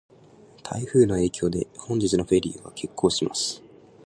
台風の影響で、本日のフェリーは欠航します。